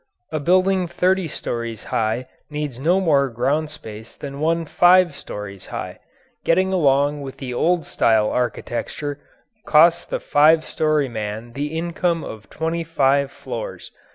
A building thirty stories high needs no more ground space than one five stories high. Getting along with the old style architecture costs the five story man the income of twenty five floors.